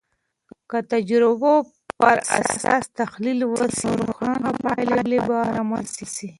که د تجربو پراساس تحلیل وسي، نو روښانه پایلې به رامنځته سي.